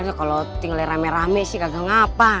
aduh kalau tinggal rame rame sih kagak ngapa